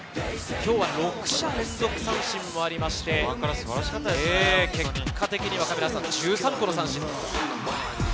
今日は６者連続三振もありましたし、結果的には１３個の三振です。